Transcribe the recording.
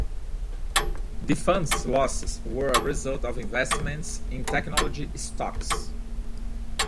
The fund's losses were a result of investments in technology stocks.